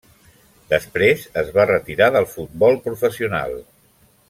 Després es va retirar del futbol professional.